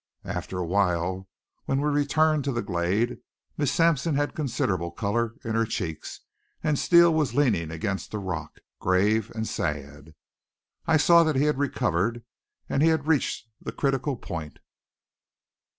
After a while, when we returned to the glade, Miss Sampson had considerable color in her cheeks, and Steele was leaning against the rock, grave and sad. I saw that he had recovered and he had reached the critical point.